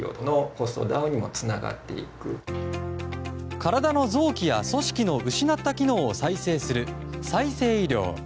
体の臓器や組織の失った機能を再生する再生医療。